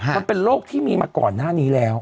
มันเป็นโรคที่มีมาก่อนหน้านี้แล้ว